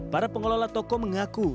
para pengelola toko mengaku